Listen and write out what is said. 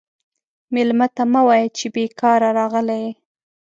مېلمه ته مه وایه چې بیکاره راغلی یې.